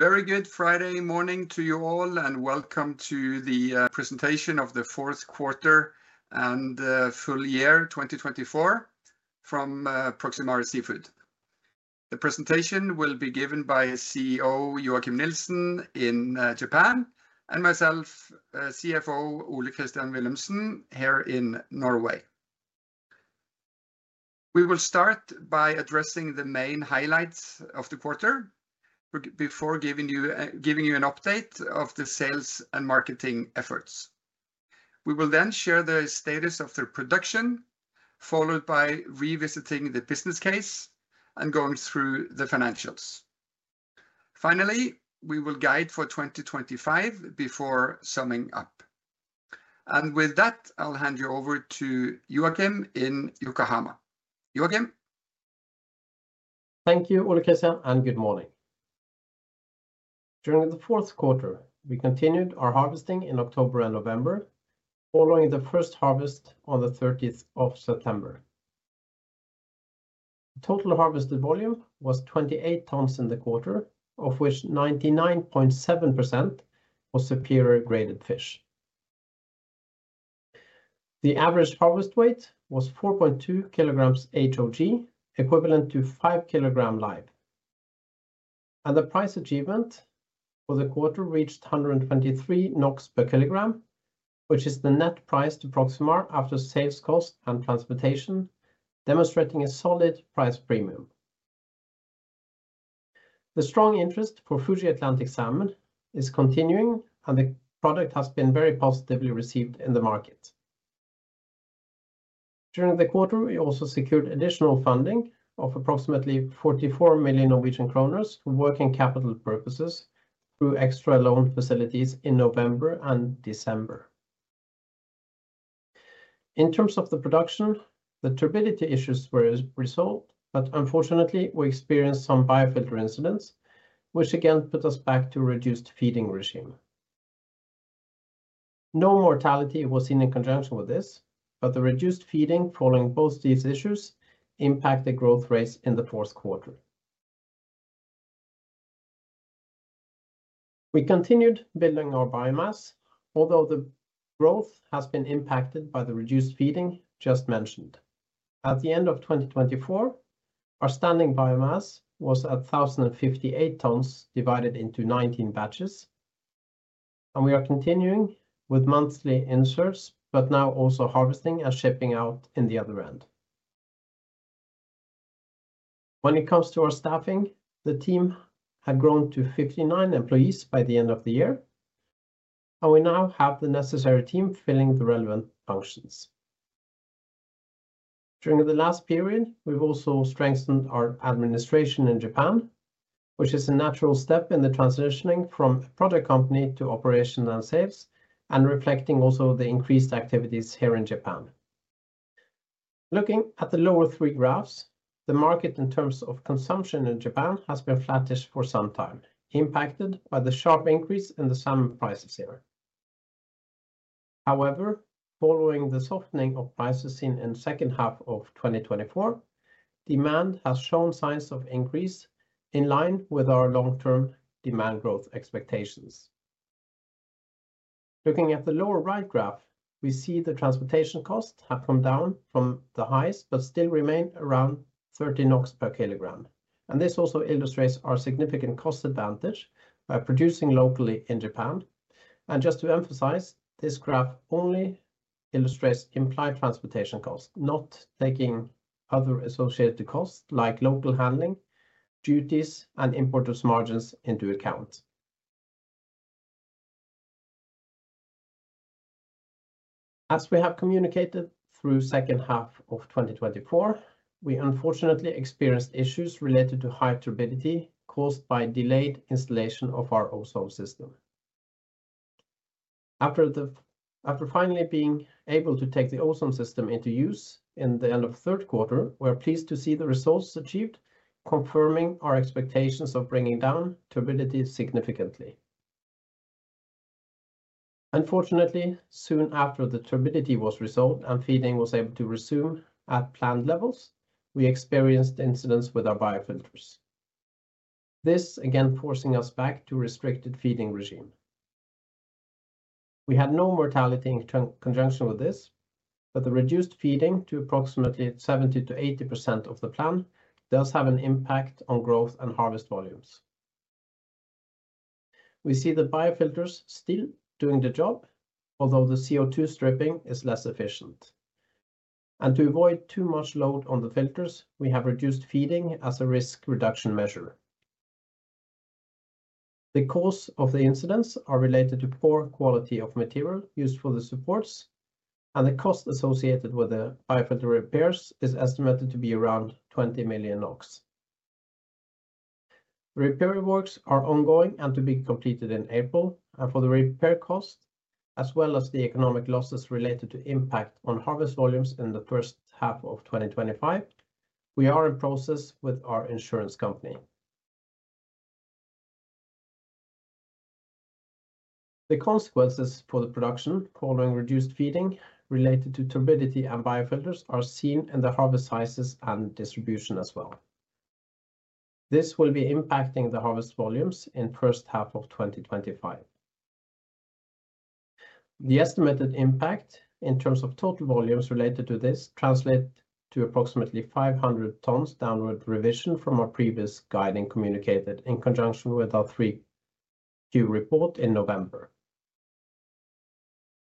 Very good Friday morning to you all, and welcome to the presentation of the fourth quarter and full year 2024 from Proximar Seafood. The presentation will be given by CEO Joachim Nielsen in Japan and myself, CFO Ole Christian Willumsen here in Norway. We will start by addressing the main highlights of the quarter before giving you an update of the sales and marketing efforts. We will then share the status of the production, followed by revisiting the business case and going through the financials. Finally, we will guide for 2025 before summing up. With that, I'll hand you over to Joachim in Yokohama. Joachim. Thank you, Ole Christian, and good morning. During the fourth quarter, we continued our harvesting in October and November, following the first harvest on the 30th of September. The total harvested volume was 28 tons in the quarter, of which 99.7% was superior graded fish. The average harvest weight was 4.2 kg HOG, equivalent to 5 kg live. The price achievement for the quarter reached 123 NOK per kilogram, which is the net price to Proximar after sales cost and transportation, demonstrating a solid price premium. The strong interest for Fuji Atlantic Salmon is continuing, and the product has been very positively received in the market. During the quarter, we also secured additional funding of approximately 44 million Norwegian kroner for working capital purposes through extra loan facilities in November and December. In terms of the production, the turbidity issues were resolved, but unfortunately, we experienced some biofilter incidents, which again put us back to a reduced feeding regime. No mortality was seen in conjunction with this, but the reduced feeding following both these issues impacted growth rates in the fourth quarter. We continued building our biomass, although the growth has been impacted by the reduced feeding just mentioned. At the end of 2024, our standing biomass was at 1,058 tons divided into 19 batches, and we are continuing with monthly inserts, but now also harvesting and shipping out in the other end. When it comes to our staffing, the team had grown to 59 employees by the end of the year, and we now have the necessary team filling the relevant functions. During the last period, we've also strengthened our administration in Japan, which is a natural step in the transitioning from a product company to operation and sales, and reflecting also the increased activities here in Japan. Looking at the lower three graphs, the market in terms of consumption in Japan has been flattish for some time, impacted by the sharp increase in the salmon prices here. However, following the softening of prices seen in the second half of 2024, demand has shown signs of increase in line with our long-term demand growth expectations. Looking at the lower right graph, we see the transportation costs have come down from the highest, but still remain around 30 NOK per kilogram. This also illustrates our significant cost advantage by producing locally in Japan. Just to emphasize, this graph only illustrates implied transportation costs, not taking other associated costs like local handling duties and import margins into account. As we have communicated through the second half of 2024, we unfortunately experienced issues related to high turbidity caused by delayed installation of our ozone system. After finally being able to take the ozone system into use in the end of the third quarter, we're pleased to see the results achieved, confirming our expectations of bringing down turbidity significantly. Unfortunately, soon after the turbidity was resolved and feeding was able to resume at planned levels, we experienced incidents with our biofilters. This again forced us back to a restricted feeding regime. We had no mortality in conjunction with this, but the reduced feeding to approximately 70%-80% of the plan does have an impact on growth and harvest volumes. We see the biofilters still doing the job, although the CO2 stripping is less efficient. To avoid too much load on the filters, we have reduced feeding as a risk reduction measure. The cause of the incidents is related to poor quality of material used for the supports, and the cost associated with the biofilter repairs is estimated to be around 20 million NOK. The repair works are ongoing and to be completed in April, and for the repair cost, as well as the economic losses related to impact on harvest volumes in the first half of 2025, we are in process with our insurance company. The consequences for the production following reduced feeding related to turbidity and biofilters are seen in the harvest sizes and distribution as well. This will be impacting the harvest volumes in the first half of 2025. The estimated impact in terms of total volumes related to this translates to approximately 500 tons downward revision from our previous guiding communicated in conjunction with our three-year report in November.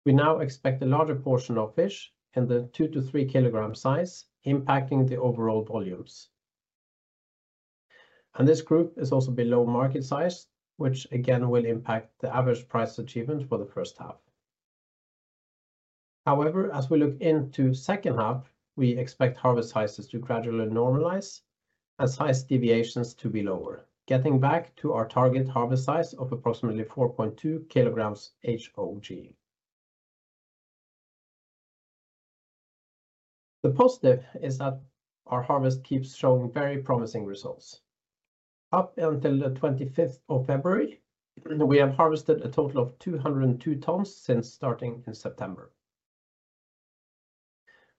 We now expect a larger portion of fish in the 2 kg-3 kg size impacting the overall volumes. This group is also below market size, which again will impact the average price achievement for the first half. However, as we look into the second half, we expect harvest sizes to gradually normalize and size deviations to be lower, getting back to our target harvest size of approximately 4.2 kg HOG. The positive is that our harvest keeps showing very promising results. Up until the 25th of February, we have harvested a total of 202 tons since starting in September.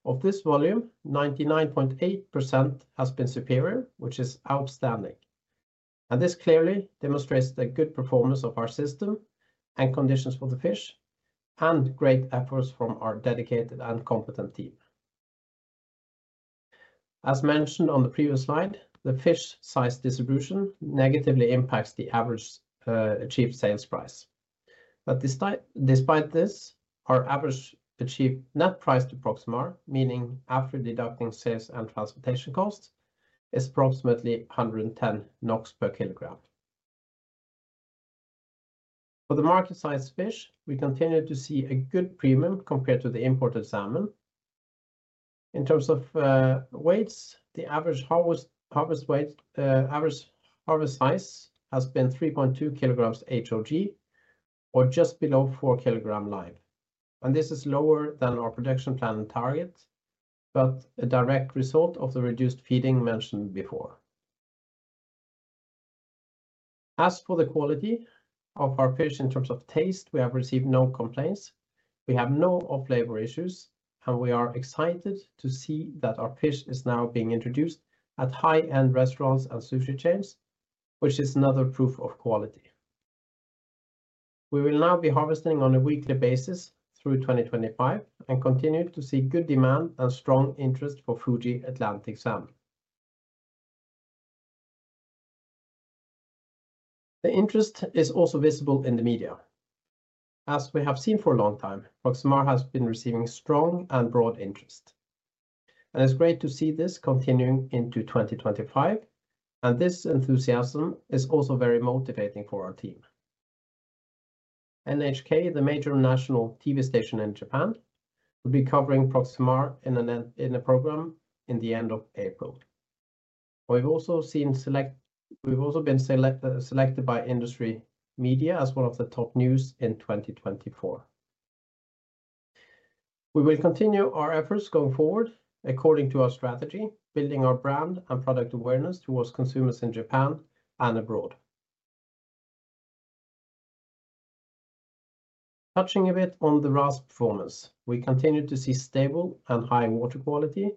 Of this volume, 99.8% has been superior, which is outstanding. This clearly demonstrates the good performance of our system and conditions for the fish and great efforts from our dedicated and competent team. As mentioned on the previous slide, the fish size distribution negatively impacts the average achieved sales price. Despite this, our average achieved net price to Proximar, meaning after deducting sales and transportation costs, is approximately 110 NOK per kilogram. For the market-sized fish, we continue to see a good premium compared to the imported salmon. In terms of weights, the average harvest size has been 3.2 kg HOG, or just below 4 kg live. This is lower than our production plan target, but a direct result of the reduced feeding mentioned before. As for the quality of our fish in terms of taste, we have received no complaints. We have no off-flavor issues, and we are excited to see that our fish is now being introduced at high-end restaurants and sushi chains, which is another proof of quality. We will now be harvesting on a weekly basis through 2025 and continue to see good demand and strong interest for Fuji Atlantic Salmon. The interest is also visible in the media. As we have seen for a long time, Proximar has been receiving strong and broad interest. It is great to see this continuing into 2025, and this enthusiasm is also very motivating for our team. NHK, the major national TV station in Japan, will be covering Proximar in a program in the end of April. We have also been selected by industry media as one of the top news in 2024. We will continue our efforts going forward according to our strategy, building our brand and product awareness towards consumers in Japan and abroad. Touching a bit on the RAS performance, we continue to see stable and high water quality.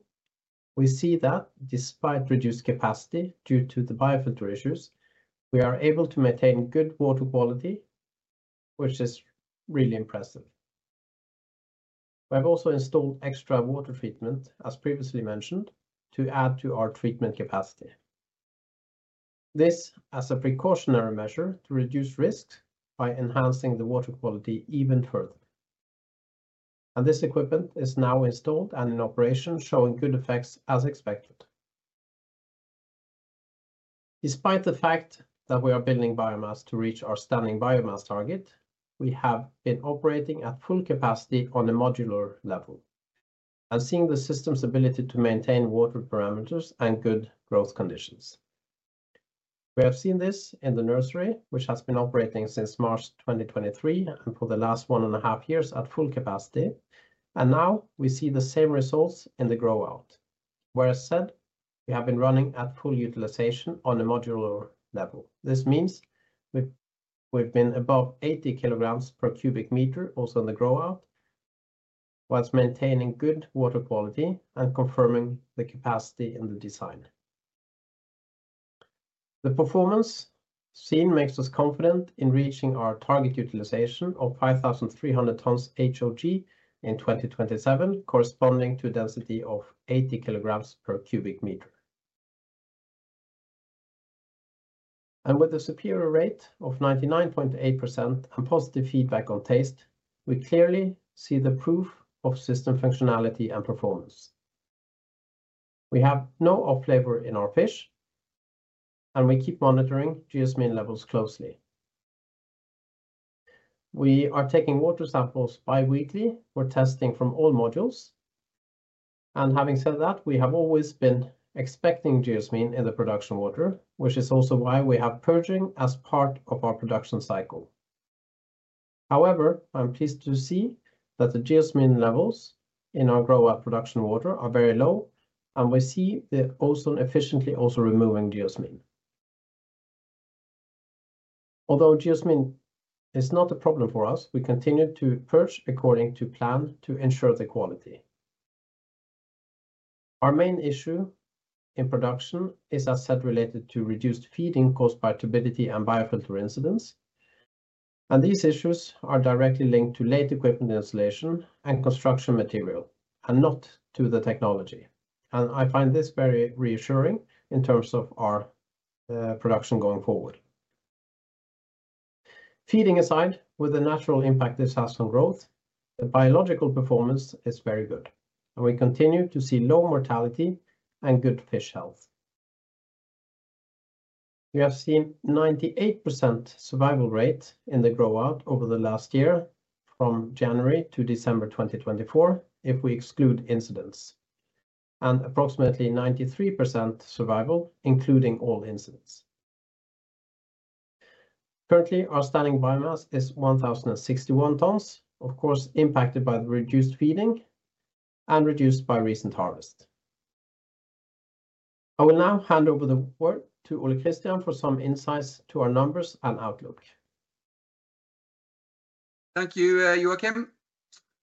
We see that despite reduced capacity due to the biofilter issues, we are able to maintain good water quality, which is really impressive. We have also installed extra water treatment, as previously mentioned, to add to our treatment capacity. This is a precautionary measure to reduce risks by enhancing the water quality even further. This equipment is now installed and in operation, showing good effects as expected. Despite the fact that we are building biomass to reach our standing biomass target, we have been operating at full capacity on a modular level and seeing the system's ability to maintain water parameters and good growth conditions. We have seen this in the nursery, which has been operating since March 2023 and for the last one and a half years at full capacity. Now we see the same results in the grow-out, whereas said we have been running at full utilization on a modular level. This means we've been above 80 kg per cubic meter, also in the grow-out, whilst maintaining good water quality and confirming the capacity in the design. The performance seen makes us confident in reaching our target utilization of 5,300 tons HOG in 2027, corresponding to a density of 80 kg per cubic meter. With a superior rate of 99.8% and positive feedback on taste, we clearly see the proof of system functionality and performance. We have no off-flavor in our fish, and we keep monitoring geosmin levels closely. We are taking water samples biweekly for testing from all modules. Having said that, we have always been expecting geosmin in the production water, which is also why we have purging as part of our production cycle. However, I'm pleased to see that the geosmin levels in our grow-out production water are very low, and we see the ozone efficiently also removing geosmin. Although geosmin is not a problem for us, we continue to purge according to plan to ensure the quality. Our main issue in production is, as said, related to reduced feeding caused by turbidity and biofilter incidents. These issues are directly linked to late equipment installation and construction material and not to the technology. I find this very reassuring in terms of our production going forward. Feeding aside, with the natural impact this has on growth, the biological performance is very good, and we continue to see low mortality and good fish health. We have seen a 98% survival rate in the grow-out over the last year from January to December 2024, if we exclude incidents, and approximately 93% survival, including all incidents. Currently, our standing biomass is 1,061 tons, of course impacted by the reduced feeding and reduced by recent harvest. I will now hand over the word to Ole Christian for some insights to our numbers and outlook. Thank you, Joachim.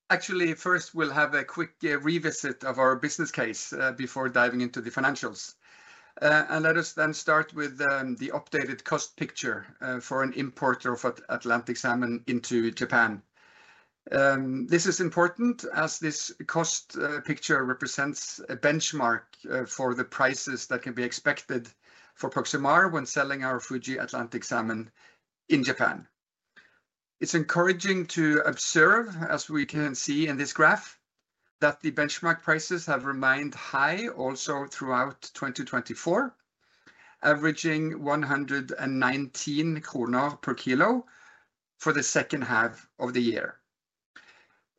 Actually, first we'll have a quick revisit of our business case before diving into the financials. Let us then start with the updated cost picture for an importer of Atlantic Salmon into Japan. This is important as this cost picture represents a benchmark for the prices that can be expected for Proximar when selling our Fuji Atlantic Salmon in Japan. It's encouraging to observe, as we can see in this graph, that the benchmark prices have remained high also throughout 2024, averaging 119 krone per kilo for the second half of the year.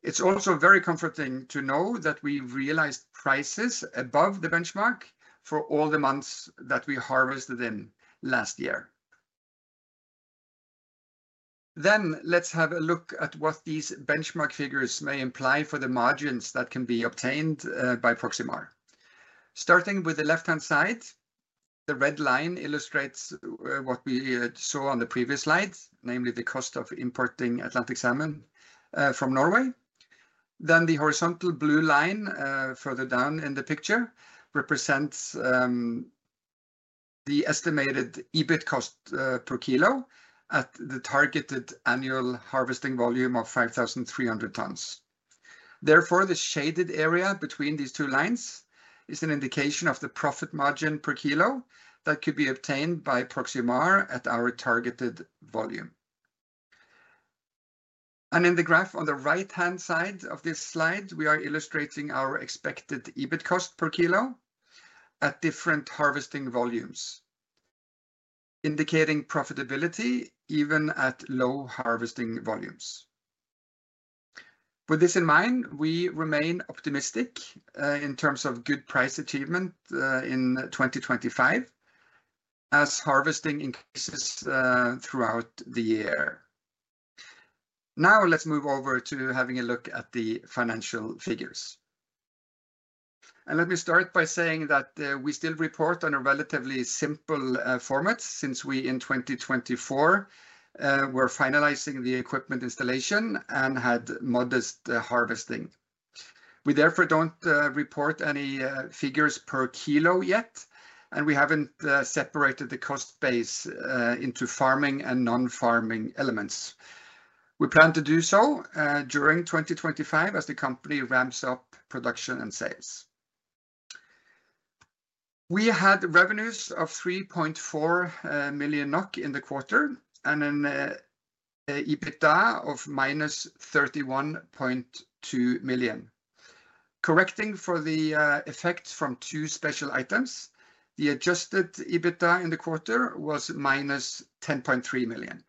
It's also very comforting to know that we've realized prices above the benchmark for all the months that we harvested in last year. Let's have a look at what these benchmark figures may imply for the margins that can be obtained by Proximar. Starting with the left-hand side, the red line illustrates what we saw on the previous slide, namely the cost of importing Atlantic Salmon from Norway. The horizontal blue line further down in the picture represents the estimated EBIT cost per kilo at the targeted annual harvesting volume of 5,300 tons. Therefore, the shaded area between these two lines is an indication of the profit margin per kilo that could be obtained by Proximar at our targeted volume. In the graph on the right-hand side of this slide, we are illustrating our expected EBIT cost per kilo at different harvesting volumes, indicating profitability even at low harvesting volumes. With this in mind, we remain optimistic in terms of good price achievement in 2025 as harvesting increases throughout the year. Now let's move over to having a look at the financial figures. Let me start by saying that we still report on a relatively simple format since we in 2024 were finalizing the equipment installation and had modest harvesting. We therefore do not report any figures per kilo yet, and we have not separated the cost base into farming and non-farming elements. We plan to do so during 2025 as the company ramps up production and sales. We had revenues of 3.4 million NOK in the quarter and an EBITDA of minus 31.2 million. Correcting for the effects from two special items, the adjusted EBITDA in the quarter was minus 10.3 million.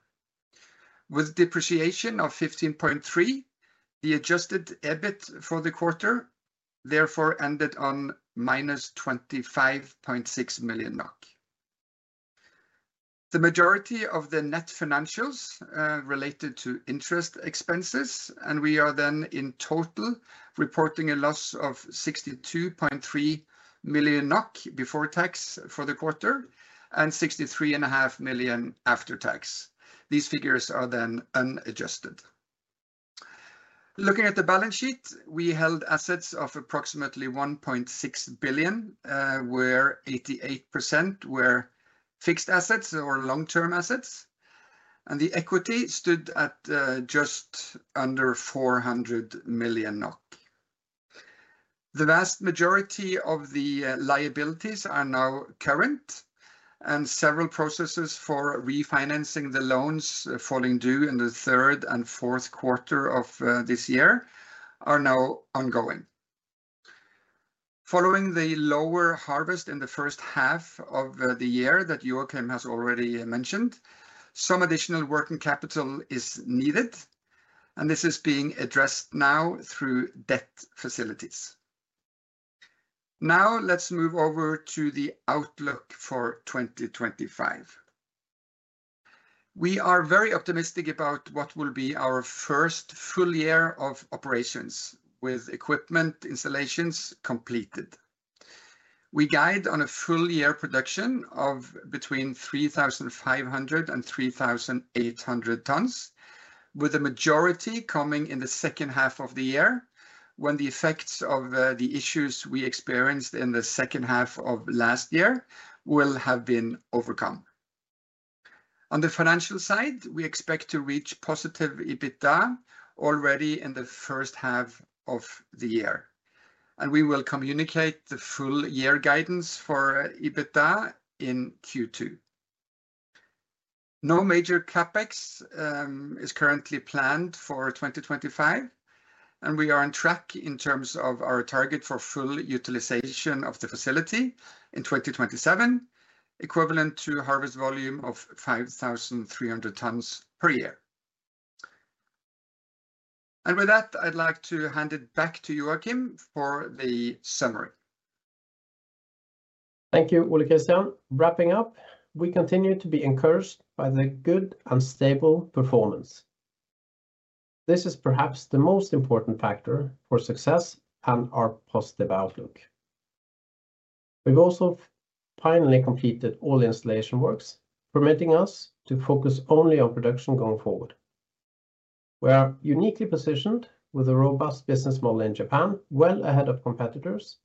With depreciation of 15.3 million, the adjusted EBIT for the quarter therefore ended on minus 25.6 million NOK. The majority of the net financials related to interest expenses, and we are then in total reporting a loss of 62.3 million NOK before tax for the quarter and 63.5 million after tax. These figures are then unadjusted. Looking at the balance sheet, we held assets of approximately 1.6 billion, where 88% were fixed assets or long-term assets, and the equity stood at just under 400 million NOK. The vast majority of the liabilities are now current, and several processes for refinancing the loans falling due in the third and fourth quarter of this year are now ongoing. Following the lower harvest in the first half of the year that Joachim has already mentioned, some additional working capital is needed, and this is being addressed now through debt facilities. Now let's move over to the outlook for 2025. We are very optimistic about what will be our first full year of operations with equipment installations completed. We guide on a full year production of between 3,500 and 3,800 tons, with the majority coming in the second half of the year when the effects of the issues we experienced in the second half of last year will have been overcome. On the financial side, we expect to reach positive EBITDA already in the first half of the year, and we will communicate the full year guidance for EBITDA in Q2. No major CapEx is currently planned for 2025, and we are on track in terms of our target for full utilization of the facility in 2027, equivalent to harvest volume of 5,300 tons per year. With that, I'd like to hand it back to Joachim for the summary. Thank you, Ole Christian. Wrapping up, we continue to be encouraged by the good and stable performance. This is perhaps the most important factor for success and our positive outlook. We've also finally completed all installation works, permitting us to focus only on production going forward. We are uniquely positioned with a robust business model in Japan, well ahead of competitors,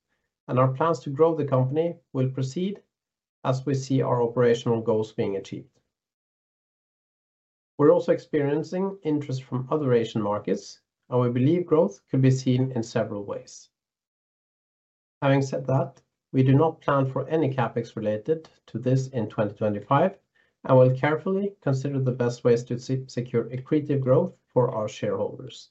and our plans to grow the company will proceed as we see our operational goals being achieved. We're also experiencing interest from other Asian markets, and we believe growth could be seen in several ways. Having said that, we do not plan for any CapEx related to this in 2025 and will carefully consider the best ways to secure accretive growth for our shareholders.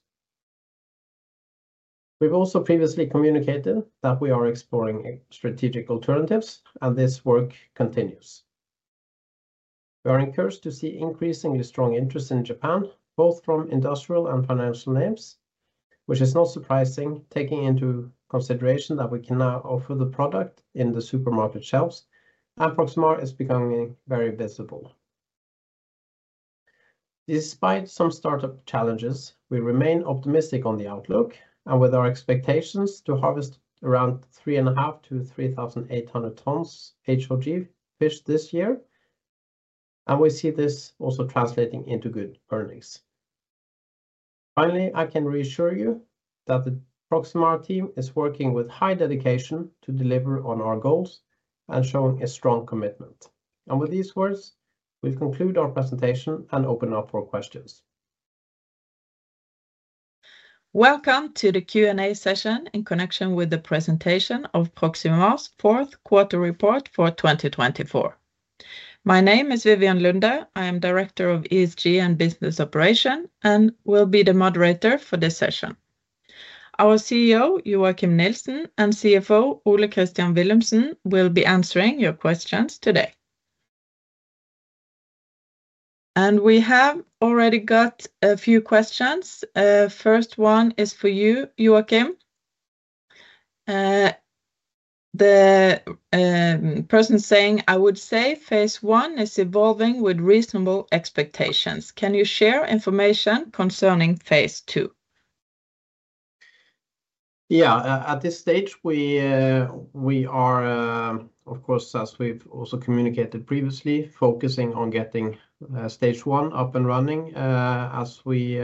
We've also previously communicated that we are exploring strategic alternatives, and this work continues. We are encouraged to see increasingly strong interest in Japan, both from industrial and financial names, which is not surprising taking into consideration that we can now offer the product in the supermarket shelves, and Proximar is becoming very visible. Despite some startup challenges, we remain optimistic on the outlook and with our expectations to harvest around 3,500 tons-3,800 tons HOG fish this year, and we see this also translating into good earnings. Finally, I can reassure you that the Proximar team is working with high dedication to deliver on our goals and showing a strong commitment. With these words, we will conclude our presentation and open up for questions. Welcome to the Q&A session in connection with the presentation of Proximar's fourth quarter report for 2024. My name is Vivian Lunde. I am Director of ESG and Business Operation and will be the moderator for this session. Our CEO, Joachim Nielsen, and CFO, Ole Christian Willumsen, will be answering your questions today. We have already got a few questions. First one is for you, Joachim. I would say phase one is evolving with reasonable expectations. Can you share information concerning phase two? Yeah, at this stage, we are, of course, as we've also communicated previously, focusing on getting stage one up and running as we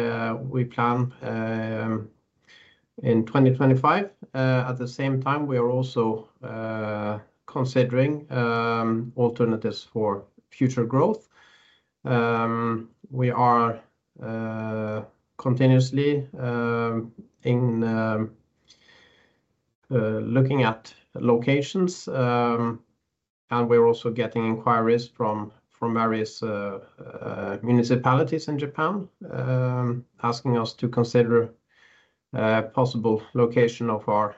plan in 2025. At the same time, we are also considering alternatives for future growth. We are continuously looking at locations, and we're also getting inquiries from various municipalities in Japan asking us to consider a possible location of our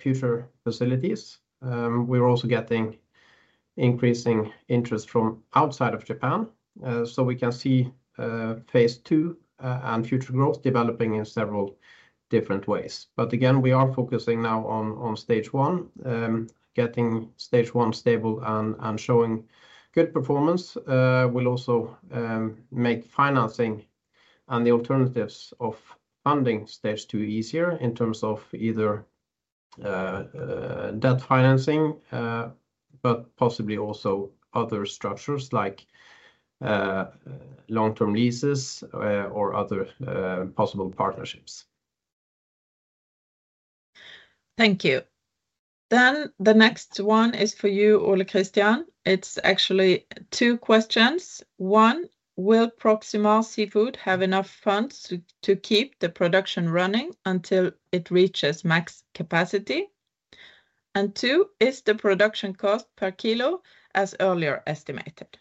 future facilities. We're also getting increasing interest from outside of Japan, so we can see phase two and future growth developing in several different ways. Again, we are focusing now on stage one, getting stage one stable and showing good performance. We'll also make financing and the alternatives of funding stage two easier in terms of either debt financing, but possibly also other structures like long-term leases or other possible partnerships. Thank you. The next one is for you, Ole Christian. It's actually two questions. One, will Proximar Seafood have enough funds to keep the production running until it reaches max capacity? Two, is the production cost per kilo as earlier estimated?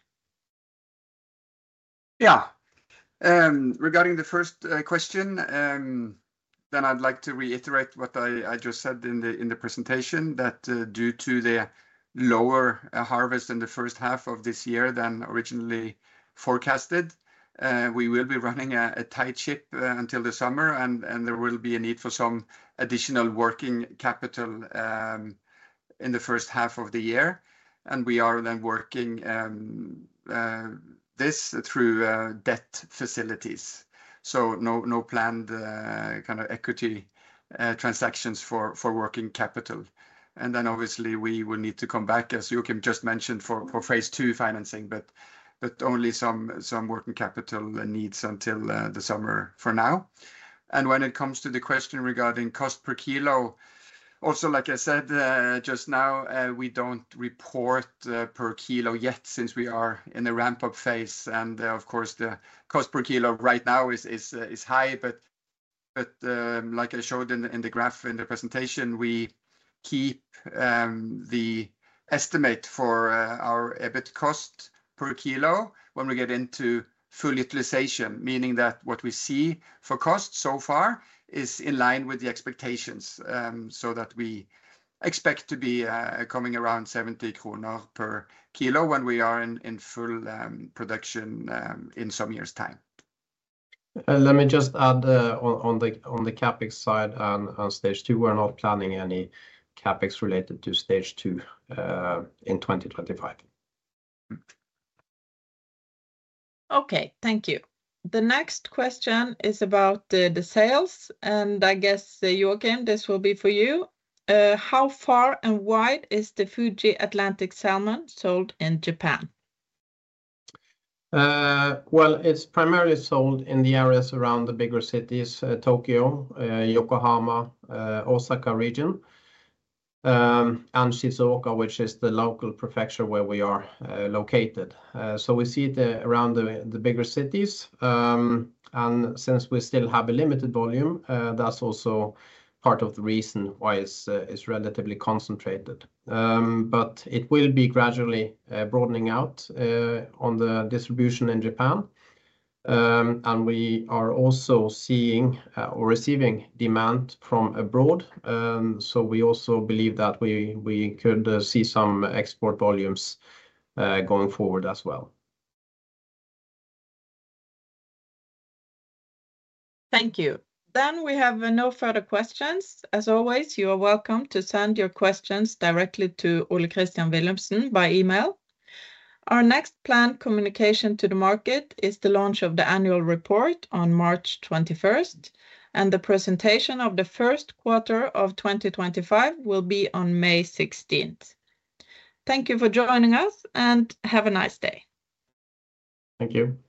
Yeah, regarding the first question, I'd like to reiterate what I just said in the presentation, that due to the lower harvest in the first half of this year than originally forecasted, we will be running a tight ship until the summer, and there will be a need for some additional working capital in the first half of the year. We are then working this through debt facilities. No planned kind of equity transactions for working capital. Obviously we will need to come back, as Joachim just mentioned, for phase two financing, but only some working capital needs until the summer for now. When it comes to the question regarding cost per kilo, also like I said just now, we do not report per kilo yet since we are in the ramp-up phase. Of course, the cost per kilo right now is high, but like I showed in the graph in the presentation, we keep the estimate for our EBIT cost per kilo when we get into full utilization, meaning that what we see for cost so far is in line with the expectations so that we expect to be coming around 70 kroner per kilo when we are in full production in some years' time. Let me just add on the CapEx side on stage two, we're not planning any CapEx related to stage two in 2025. Okay, thank you. The next question is about the sales, and I guess, Joachim, this will be for you. How far and wide is the Fuji Atlantic Salmon sold in Japan? It is primarily sold in the areas around the bigger cities, Tokyo, Yokohama, Osaka region, and Shizuoka, which is the local prefecture where we are located. We see it around the bigger cities, and since we still have a limited volume, that is also part of the reason why it is relatively concentrated. It will be gradually broadening out on the distribution in Japan, and we are also seeing or receiving demand from abroad, so we also believe that we could see some export volumes going forward as well. Thank you. We have no further questions. As always, you are welcome to send your questions directly to Ole Christian Willumsen by email. Our next planned communication to the market is the launch of the annual report on March 21st, and the presentation of the first quarter of 2025 will be on May 16th. Thank you for joining us, and have a nice day. Thank you.